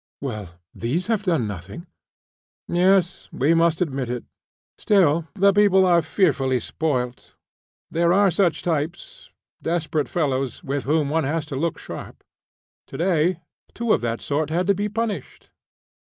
"Well, these have done nothing." "Yes, we must admit it. Still, the people are fearfully spoilt. There are such types desperate fellows, with whom one has to look sharp. To day two of that sort had to be punished."